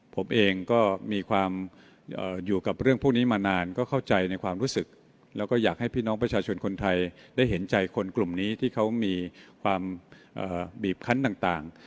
ผมเองก็มีความอยู่กับเรื่องพวกนี้มานานก็เข้าใจในความรู้สึกแล้วก็อยากให้พี่น้องประชาชนคนไทยได้เห็นใจคนกลุ่มนี้ที่เขามีความบีบคันต่าง